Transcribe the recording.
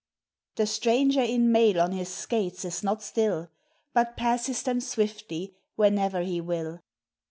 The stranger in mail on his skates is not still, But passes them swiftly whenever he will.